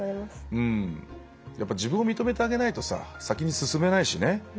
やっぱ自分を認めてあげないとさ先に進めないしね。